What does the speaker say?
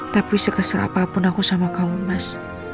tapi sekeser apapun aku sama kamu mas